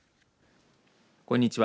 こんにちは。